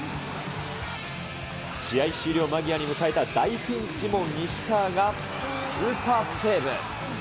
試合終了間際に迎えた大ピンチも西川がスーパーセーブ。